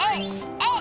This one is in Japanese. えい！